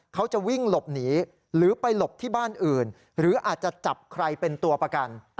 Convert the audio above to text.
เขาจะวิ่งหลบหนีหรือไปหลบที่บ้านอื่นหรืออาจจะจับใครเป็นตัวประกัน